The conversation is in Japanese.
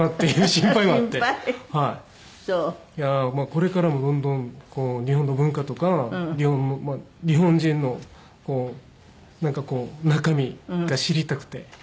これからもどんどん日本の文化とか日本人のなんかこう中身が知りたくて。